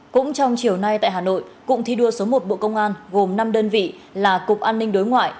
cũng trong chiều nay tại hà nội cụm thi đua số một bộ công an gồm năm đơn vị là cục an ninh đối ngoại